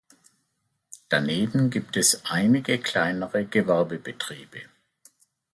Daneben gibt es einige kleinere Gewerbebetriebe.